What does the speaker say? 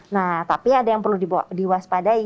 nah tapi ada yang perlu diwaspadai